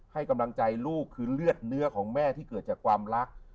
ให้กำลังใจลูกคือเลือดเนื้อของแม่ที่เกิดจากความรัก